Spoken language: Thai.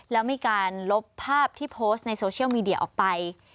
แล้วมีการลบภาพที่โพสต์ในโซเชียลมีเดียออกไป